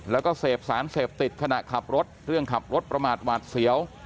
แล้วก็เสพสารเสพติดขณะขับรถเรื่องขับรถประมาทหวาดเสียว